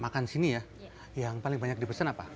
makan sini ya yang paling banyak dipesan apa